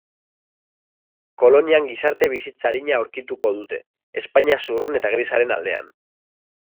Kolonian gizarte-bizitza arina aurkituko dute, Espainia zurrun eta grisaren aldean.